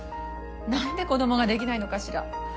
なんで子供ができないのかしら？